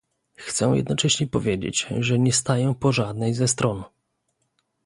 Chcę jednocześnie powiedzieć, że nie staję po żadnej ze stron